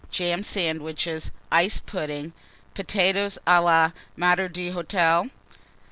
Jam Sandwiches. Ice Pudding. Potatoes à la Maître d'Hôtel.